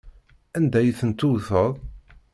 Anda ay tent-tewteḍ?